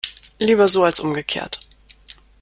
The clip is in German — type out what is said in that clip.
Lieber so als umgekehrt.